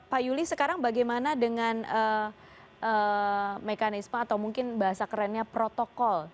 pak yuli sekarang bagaimana dengan mekanisme atau mungkin bahasa kerennya protokol